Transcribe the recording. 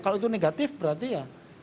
kalau itu negatif berarti ya